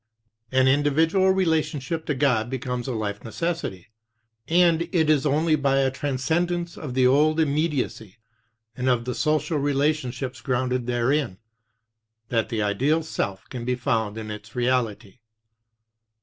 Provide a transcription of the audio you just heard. An 21 individual relationship to God becomes a life necessity, and it is only by a transcendence of the old immediacy, and of the social relationships grounded therein, that the ideal self can be found in its reality.